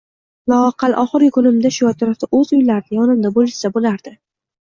Loaqal oxirgi kunimda shu atrofda – o‘z uylarida, yonimda bo‘lishsa bo‘lardi